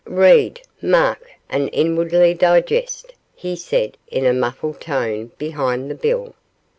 'Read! mark! and inwardly digest!' he said in a muffled tone behind the bill.